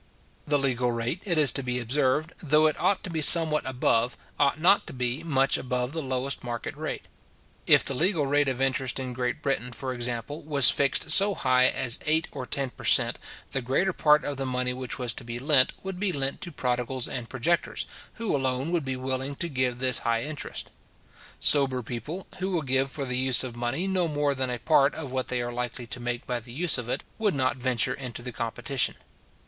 The legal rate, it is to be observed, though it ought to be somewhat above, ought not to be much above the lowest market rate. If the legal rate of interest in Great Britain, for example, was fixed so high as eight or ten per cent. the greater part of the money which was to be lent, would be lent to prodigals and projectors, who alone would be willing to give this high interest. Sober people, who will give for the use of money no more than a part of what they are likely to make by the use of it, would not venture into the competition.